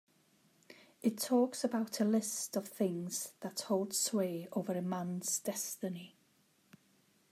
It talks about a list of things that hold sway over a man's destiny.